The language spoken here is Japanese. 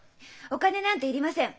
お金なんて要りません。